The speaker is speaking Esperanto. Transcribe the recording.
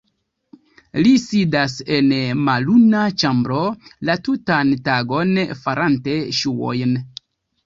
Li sidas en malluma ĉambro la tutan tagon farante ŝuojn.